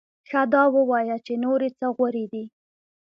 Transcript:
ښه دا ووایه چې نورې څه غورې دې؟